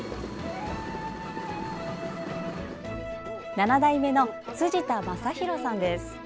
７代目の辻田雅寛さんです。